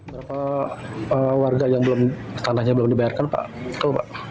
berapa warga tanahnya yang belum dibayarkan pak